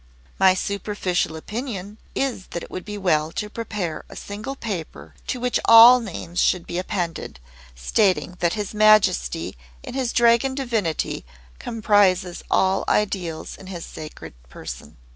"My superficial opinion is that it would be well to prepare a single paper to which all names should be appended, stating that His Majesty in his Dragon Divinity comprises all ideals in his sacred Person."